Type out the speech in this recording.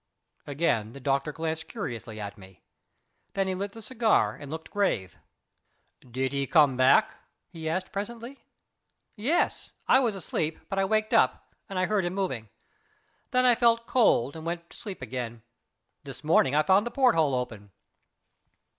Again the doctor glanced curiously at me. Then he lit the cigar and looked grave. "Did he come back?" he asked presently. "Yes. I was asleep, but I waked up, and heard him moving. Then I felt cold and went to sleep again. This morning I found the porthole open."